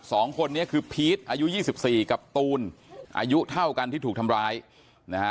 สองคนนี้คือพีชอายุยี่สิบสี่กับตูนอายุเท่ากันที่ถูกทำร้ายนะฮะ